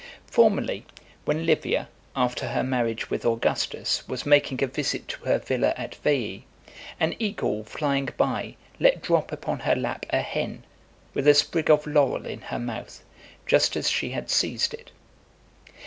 Formerly, when Livia, after her marriage with Augustus, was making a visit to her villa at Veii , an eagle flying by, let drop upon her lap a hen, with a sprig of laurel in her mouth, just as she had seized it.